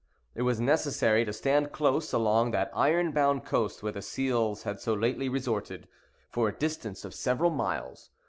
It was necessary to stand close along that iron bound coast where the seals had so lately resorted, for a distance of several miles.